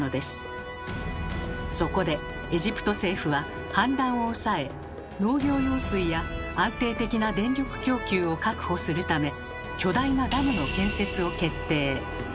そこでエジプト政府は氾濫を抑え農業用水や安定的な電力供給を確保するため巨大なダムの建設を決定。